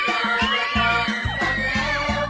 ขอบคุณทุกคน